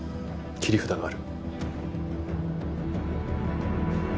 切り札がある。